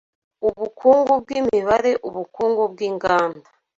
ubukungu bw’imibare ubukungu bw’inganda